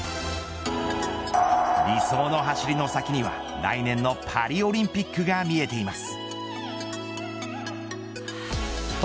理想の走りの先には来年のパリオリンピックが見えています。